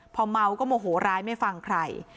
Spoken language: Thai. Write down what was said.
พอเมาก็โมโหร้ายไม่ฟังใคร